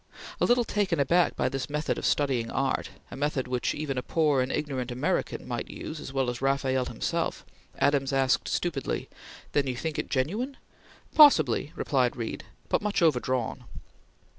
A little taken back by this method of studying art, a method which even a poor and ignorant American might use as well as Rafael himself, Adams asked stupidly: "Then you think it genuine?" "Possibly!" replied Reed; "but much overdrawn."